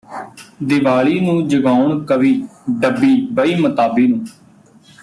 ਦਿਵਾਲੀ ਨੂੰ ਜਗਾਉਣ ਕਵੀ ਡੱਬੀ ਬਈ ਮਤਾਬੀ ਨੂੰ